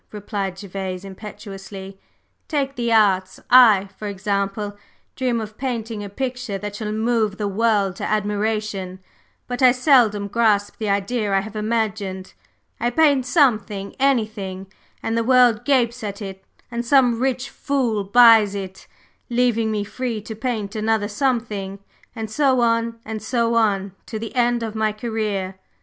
replied Gervase impetuously. "Take the Arts. I, for example, dream of painting a picture that shall move the world to admiration, but I seldom grasp the idea I have imagined. I paint something, anything, and the world gapes at it, and some rich fool buys it, leaving me free to paint another something; and so on and so on, to the end of my career.